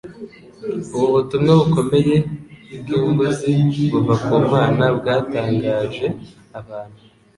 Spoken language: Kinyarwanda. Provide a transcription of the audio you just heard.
Ubu butumwa bukomeye bw'imbuzi buva ku Mana bwatangaje abantu